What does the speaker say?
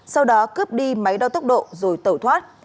sau đó cướp đi máy đo tốc độ rồi tẩu thoát